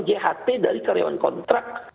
jht dari karyawan kontrak